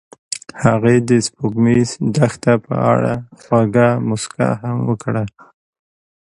هغې د سپوږمیز دښته په اړه خوږه موسکا هم وکړه.